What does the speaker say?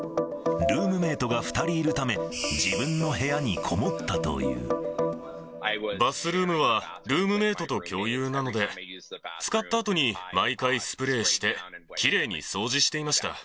ルームメートが２人いるため、バスルームはルームメートと共有なので、使ったあとに毎回スプレーして、きれいに掃除していました。